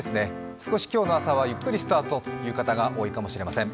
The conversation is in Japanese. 少し今日の朝はゆっくりスタートという人が多いかもしれません。